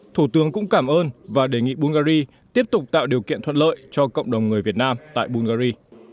thủ tướng cũng cảm ơn và đề nghị bungary tiếp tục tạo điều kiện thuận lợi cho cộng đồng người việt nam tại bungary